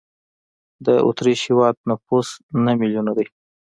د اوترېش هېواد نفوس نه میلیونه دی.